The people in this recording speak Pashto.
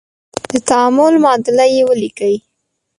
د تعامل معادله یې ولیکئ.